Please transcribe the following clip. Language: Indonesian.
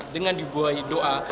dengan dibuahi doa